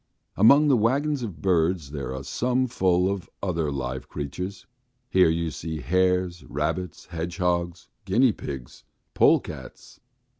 ..." Among the waggons of birds there are some full of other live creatures. Here you see hares, rabbits, hedgehogs, guinea pigs, polecats.